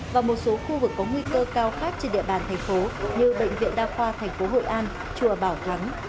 và một số khu vực có nguy cơ cao khác trên địa bàn thành phố như bệnh viện đa khoa thành phố hội an chùa bảo thắng